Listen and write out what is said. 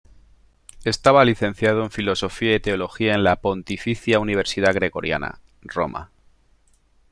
Estaba licenciado en filosofía y teología en la Pontificia Universidad Gregoriana, Roma.